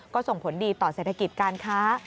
ก็ส่งผลดีต่อเศรษฐกิจการค้า